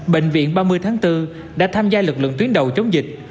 bệnh viện ba mươi tháng bốn đã tham gia lực lượng tuyến đầu chống dịch